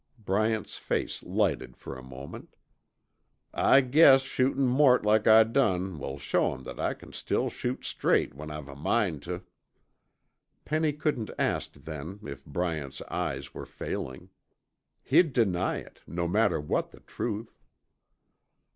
Bryant's face lighted for a moment. "I guess shootin' Mort like I done will show 'em that I still can shoot straight when I've a mind tuh." Penny couldn't ask then if Bryant's eyes were failing. He'd deny it, no matter what the truth.